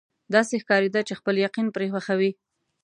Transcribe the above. داسې ښکارېده چې خپل یقین پرې پخوي.